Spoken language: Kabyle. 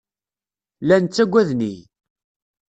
Llan ttagaden-iyi.